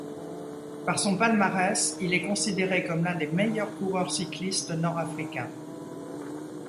Par son palmarès, il est considéré comme l'un des meilleurs coureurs cyclistes nord-africains.